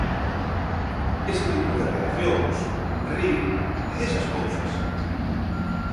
Ese tipo de reaccións, rir, esas cousas...